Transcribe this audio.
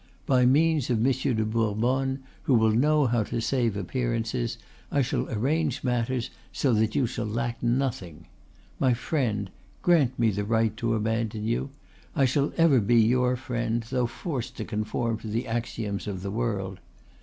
By means of Monsieur de Bourbonne, who will know how to save appearances, I shall arrange matters so that you shall lack nothing. My friend, grant me the right to abandon you. I shall ever be your friend, though forced to conform to the axioms of the world.